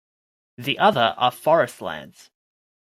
The other are forestlands.